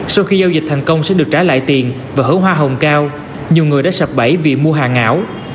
sau khi giao dịch thành công sẽ được trả lại tiền và hữu hoa hồng cao nhiều người đã sập bẫy vì mua hàng ảo